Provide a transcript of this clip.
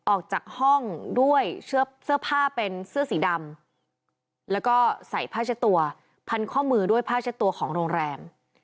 ออกจากห้องด้วยเสื้อผ้าเป็นเสื้อสีดำแล้วก็ใส่ผ้าเช็ดตัวพันข้อมือด้วยผ้าเช็ดตัวของโรงแรม